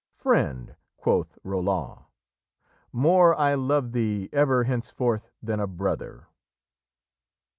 'Friend,' quoth Roland, 'more I love thee Ever henceforth than a brother.'"